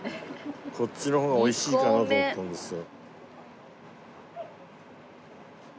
こっちの方が美味しいかなと思ったんですよ。